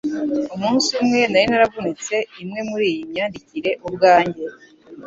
umunsi umwe nari naravunitse imwe muriyi myandikire ubwanjye